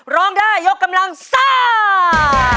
ร้องได้ยกกำลังซ่า